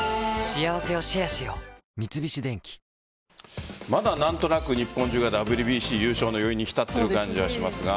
三菱電機まだ何となく日本中がＷＢＣ優勝の余韻に浸っている感じはしますが。